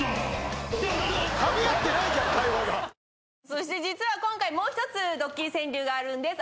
そして実は今回もう一つドッキリ川柳があるんです。